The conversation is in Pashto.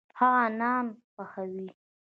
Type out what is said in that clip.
هغه نان پخوي.